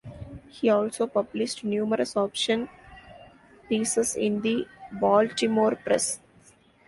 He also published numerous opinion pieces in the Baltimore press.